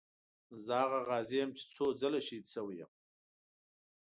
زه هغه غازي یم چې څو ځله شهید شوی یم.